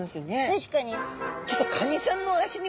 確かに。